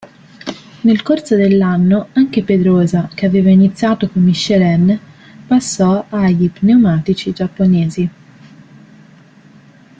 Nel corso dell'anno anche Pedrosa che aveva iniziato con Michelin passò agli pneumatici giapponesi.